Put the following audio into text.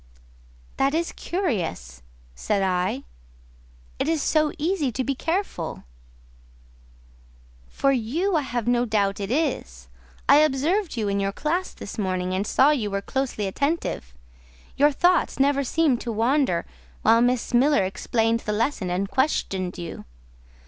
"That is curious," said I, "it is so easy to be careful." "For you I have no doubt it is. I observed you in your class this morning, and saw you were closely attentive: your thoughts never seemed to wander while Miss Miller explained the lesson and questioned you.